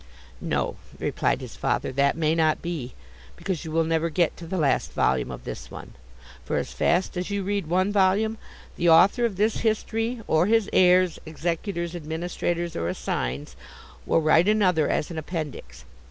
"No," replied his father, "that may not be; because you will never get to the last volume of this one. For as fast as you read one volume, the author of this history, or his heirs, executors, administrators, or assigns, will write another as an appendix.